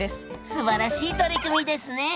すばらしい取り組みですね。